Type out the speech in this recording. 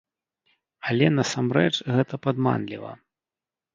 Але насамрэч гэта падманліва.